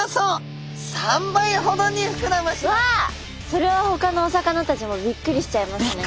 それはほかのお魚たちもびっくりしちゃいますね。